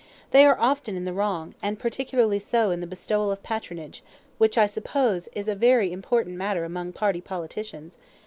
"They are often in the wrong, and particularly so in the bestowal of patronage, which, I suppose, is a very important matter among party politicians.